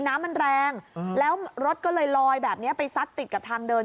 น้ำมันแรงแล้วรถก็เลยลอยแบบนี้ไปซัดติดกับทางเดิน